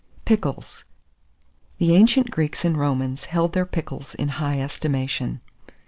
PICKLES. The ancient Greeks and Romans held their pickles in high estimation.